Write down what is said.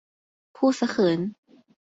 พูดซะเขิน